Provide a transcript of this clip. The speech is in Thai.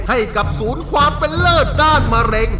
ให้กับศูนย์ความเป็นเลิศด้านมะเร็ง